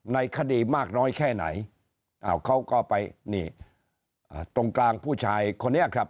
ในคดีมากน้อยแค่ไหนอ้าวเขาก็ไปนี่ตรงกลางผู้ชายคนนี้ครับ